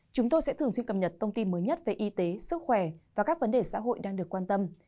chúng tôi sẽ thường xuyên cập nhật thông tin mới nhất về y tế sức khỏe và các vấn đề xã hội đang được quan tâm